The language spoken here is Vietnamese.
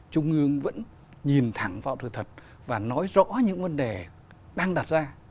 trung ương vẫn nhìn thẳng vào thực thật và nói rõ những vấn đề đang đặt ra